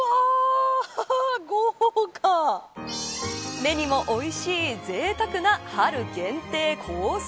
目にも、おいしいぜいたくな春限定コース